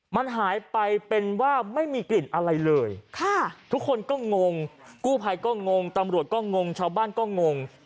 มันหายไปเป็นว่าไม่มีกลิ่นอะไรเลยทุกคนก็งงกู้ภัยก็งงตำรวจก็งงชาวบ้านก็งง